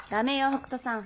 北斗さん